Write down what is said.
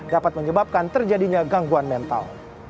dapat menyebabkan terjadinya gangguan mental